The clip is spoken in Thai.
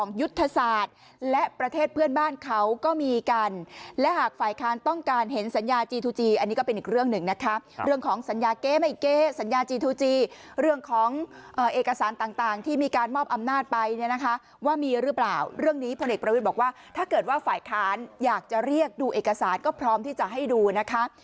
นาฬไปเนี่ยนะคะว่ามีหรือเปล่าเรื่องนี้พลเอกประวิทย์บอกว่าถ้าเกิดว่าฝ่ายค้านอยากจะเรียกดูเอกสารก็พร้อมที่จะให้ดูนะคะ